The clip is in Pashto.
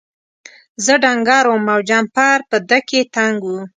زه ډنګر وم او جمپر په ده کې تنګ و.